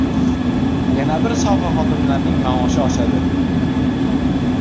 Yana bir soha xodimlarining maoshi oshadi